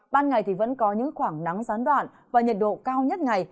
ban ngày thì vẫn có những khoảng nắng gián đoạn và nhiệt độ cao nhất ngày